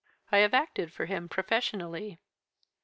"'I have acted for him professionally.'